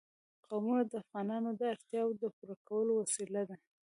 قومونه د افغانانو د اړتیاوو د پوره کولو وسیله ده.